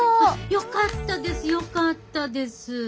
よかったですよかったです。